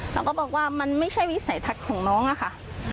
แล้วก็บอกว่ามันไม่ใช่วิสัยทักของน้องค่ะ